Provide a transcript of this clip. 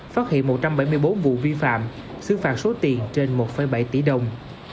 phát hiện một trăm bảy mươi bốn vụ vi phạm xứ phạt số tiền trên một bảy tỷ đồng